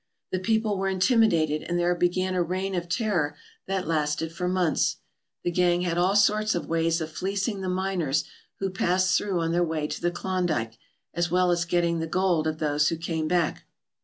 The people were intimidated and there began a reign of terror that lasted for months. The gang had all sorts of ways of fleecing the miners who passed through on their way to the Klondike, as well as getting the gold of those who came back.